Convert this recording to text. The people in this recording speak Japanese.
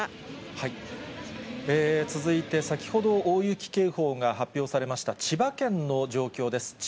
続いて、先ほど大雪警報が発表されました千葉県の状況です。